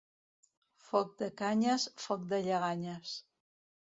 Foc de canyes, foc de lleganyes.